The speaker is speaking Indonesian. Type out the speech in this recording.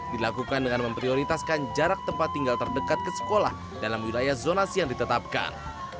dilakukan dengan memprioritaskan jarak tempat tinggal terdekat ke sekolah dalam wilayah zonasi yang ditetapkan